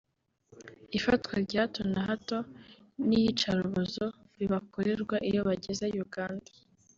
ifatwa rya hato na hato n’iyicarubozo bibakorerwa iyo bageze Uganda